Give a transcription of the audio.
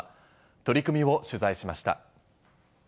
取り組みを取材しました。